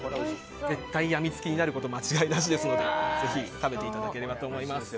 絶対病みつきになること間違いなしですのでぜひ食べていただければと思います。